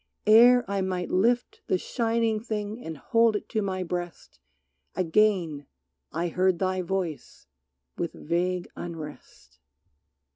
Ere I might lift The shining thing and hold it to my breast Again I heard thy voice with vague unrest.